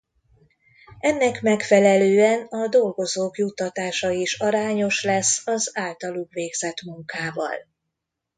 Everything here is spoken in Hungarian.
Ennek megfelelően a dolgozók juttatása is arányos lesz az általuk végzett munkával.